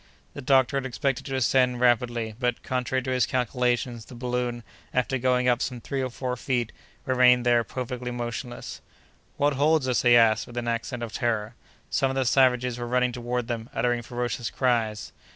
The doctor had expected to ascend rapidly, but, contrary to his calculations, the balloon, after going up some three or four feet, remained there perfectly motionless. "What holds us?" he asked, with an accent of terror. Some of the savages were running toward them, uttering ferocious cries.